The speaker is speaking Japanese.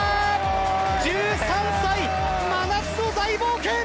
１３歳、真夏の大冒険